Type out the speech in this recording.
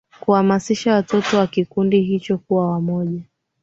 kuhamisha watoto wa kikundi hicho kuwa wamoja